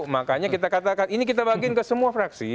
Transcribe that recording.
makanya kita katakan ini kita bagiin ke semua fraksi